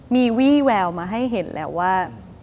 มีวี่แววมาให้เห็นแล้วว่า